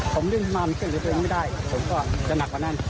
ผมลื่นมาไม่เชื่อหรือเปลี่ยงไม่ได้ผมก็จะหนักกว่านั้น